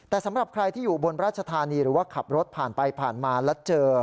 แต่สำหรับใครที่อยู่บนราชธานีหรือว่าขับรถผ่านไปผ่านมาแล้วเจอ